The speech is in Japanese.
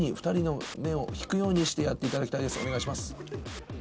２人の目を引くようにしてやっていただきたいです。